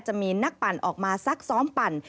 จะมีนักปั่นออกมาซักซ้อมปั่น